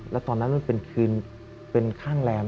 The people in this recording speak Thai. แล้วตอนนั้นมันเป็นคืนเป็นข้างแรม